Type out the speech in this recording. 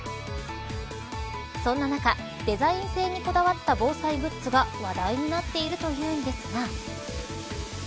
そんな中デザイン性にこだわった防災グッズが話題になっているというんですが。